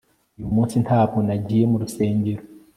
uyu munsi ntabwo nagiye mu rusengero